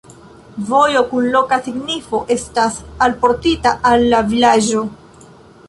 Vojo kun loka signifo estas alportita al la vilaĝo.